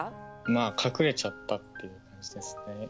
まあ、隠れちゃったって感じですね。